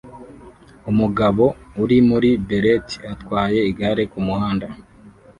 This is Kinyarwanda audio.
Umugabo uri muri beret atwara igare kumuhanda